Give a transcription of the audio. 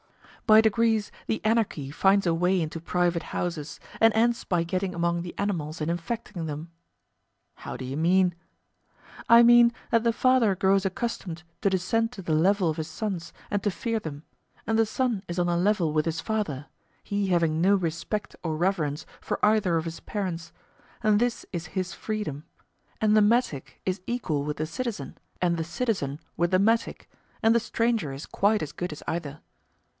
By degrees the anarchy finds a way into private houses, and ends by getting among the animals and infecting them. How do you mean? I mean that the father grows accustomed to descend to the level of his sons and to fear them, and the son is on a level with his father, he having no respect or reverence for either of his parents; and this is his freedom, and the metic is equal with the citizen and the citizen with the metic, and the stranger is quite as good as either.